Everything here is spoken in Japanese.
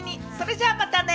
それじゃあまたね！